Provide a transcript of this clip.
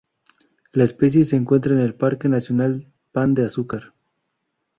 La especie se encuentra en el Parque Nacional Pan de Azúcar.